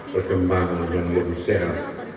perkembangan dan kebesaran